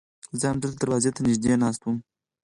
زه همدلته دروازې ته نږدې ناست وم.